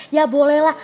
ya boleh lah